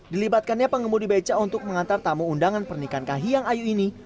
dilibatkannya pengemudi beca untuk mengantar tamu undangan pernikahan kahiyang ayu ini